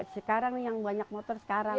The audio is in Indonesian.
sekarang yang banyak motor sekarang